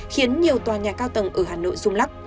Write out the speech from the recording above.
khiến nhiều tòa nhà cao tầng ở hà nội rung lắc